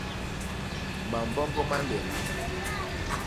Mamboñgo ma nlet nye.